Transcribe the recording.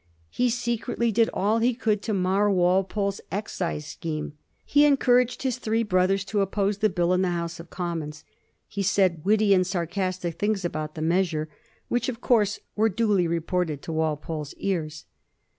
He secretly did all he could to mar Wal pole's excise scheme; he encouraged his three brothers to oppose the bill in the House of Commons. He said witty and sarcastic things about the measure, which of course were duly reported io Walpole's ears.